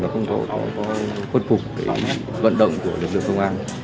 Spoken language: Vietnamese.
không có khuất phục lắm vận động của lực lượng công an